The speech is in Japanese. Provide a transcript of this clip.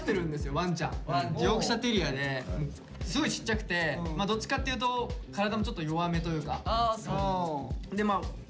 ヨークシャーテリアですごいちっちゃくてどっちかっていうと体もちょっと弱めというか。